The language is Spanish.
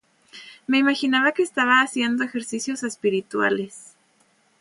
Me imaginaba que estaba haciendo ejercicios espirituales.